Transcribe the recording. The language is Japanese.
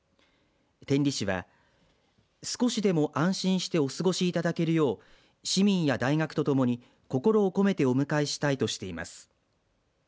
天理市は少しでも安心してお過ごしいただけるよう市民や大学とともに心を込めてお迎えしたいとしています。